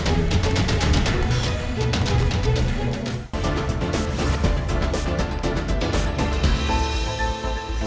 nanti ini kita behandalkan epidemiologis questioned bagi